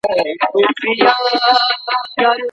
څه وخت ملي سوداګر بوره هیواد ته راوړي؟